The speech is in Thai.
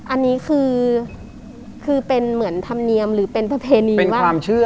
อันนี้คือเป็นเหมือนธรรมเนียมหรือเป็นประเพณีว่าความเชื่อ